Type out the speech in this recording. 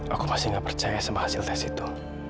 aku masih gak percaya sama hasil tes itu